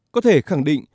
có thể khẳng định